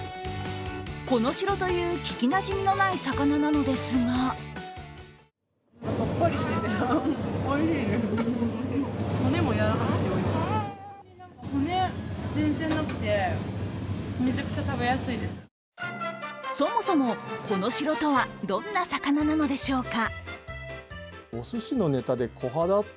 コノシロという、聞きなじみのない魚なのですがそもそも、コノシロとはどんな魚なのでしょうか？